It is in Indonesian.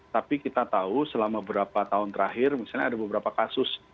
tapi kita tahu selama beberapa tahun terakhir misalnya ada beberapa kasus